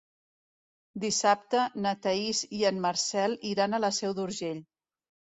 Dissabte na Thaís i en Marcel iran a la Seu d'Urgell.